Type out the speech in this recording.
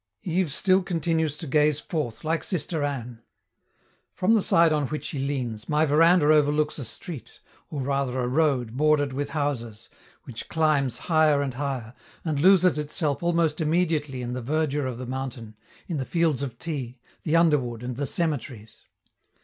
Yves still continues to gaze forth, like Sister Anne. From the side on which he leans, my veranda overlooks a street, or rather a road bordered with houses, which climbs higher and higher, and loses itself almost immediately in the verdure of the mountain, in the fields of tea, the underwood and the cemeteries.